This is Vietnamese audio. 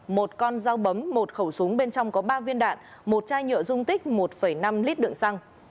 một con dao bấm một khẩu súng bên trong có ba viên đạn một chai nhựa dung tích một năm lít đựng xăng